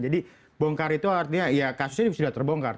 jadi bongkar itu artinya ya kasusnya sudah terbongkar